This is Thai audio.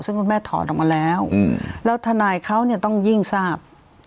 ซึ่งคุณแม่ถอดออกมาแล้วแล้วทนายเขาเนี่ยต้องยิ่งทราบ